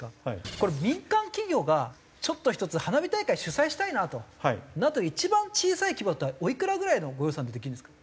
これ民間企業がちょっと一つ花火大会主催したいなとなった時一番小さい規模だったらおいくらぐらいのご予算でできるんですか？